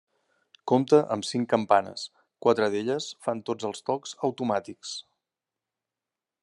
Compta amb cinc campanes, quatre d'elles fan tots els tocs automàtics.